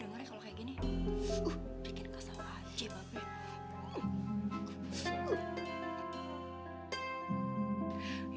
bikin kasar aja babeh